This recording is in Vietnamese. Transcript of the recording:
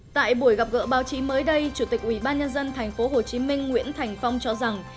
tại buổi gặp gỡ báo chí mới đây chủ tịch ubnd tp hcm nguyễn thành phong cho rằng